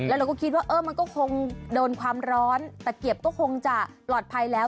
เราก็คิดว่าเออมันก็คงโดนความร้อนตะเกียบก็คงจะปลอดภัยแล้ว